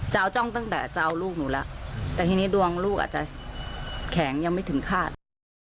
เจ้าจ้องตั้งแต่จะเอาลูกหนูแล้วแต่ทีนี้ดวงลูกอาจจะแข็งยังไม่ถึงคาด